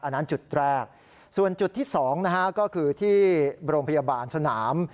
อันนั้นจุดแรกส่วนจุดที่๒นะฮะก็คือที่โรงพยาบาลสนาม